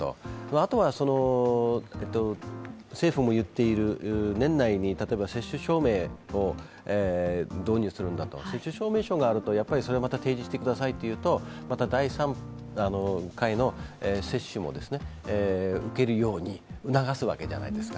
あとは政府も言っている年内に、例えば接種証明を導入するんだと、接種証明書があるとそれをまた提示してくださいというとまた第３回の接種も受けるように促すわけじゃないですか。